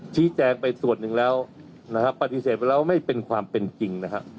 ชี้แจงไปส่วนหนึ่งแล้วนะครับปฏิเสธไปแล้วไม่เป็นความเป็นจริงนะครับ